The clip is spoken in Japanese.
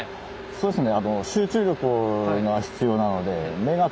そうですね。